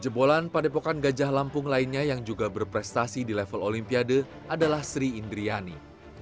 jebolan padepokan gajah lampung lainnya yang juga berprestasi di level olimpiade adalah sri indriani